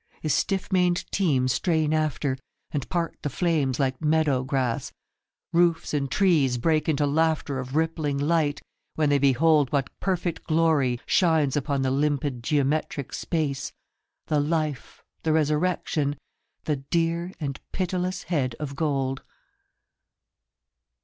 His stiff maned team strain after, and part the flames like meadow grass Roofs and trees break into laughter of rippling light, when they behold What perfect glory shines upon the limpid geometric space, The life, the resurrection, the dear and pitiless head of gold.